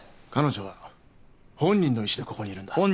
彼女は本人の意思でここにいるんだ。